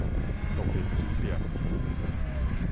獨立書店